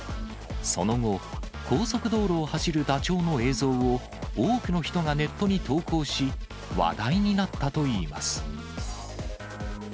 その後、高速道路を走るダチョウの映像を多くの人がネットに投稿し、話題になったといいます。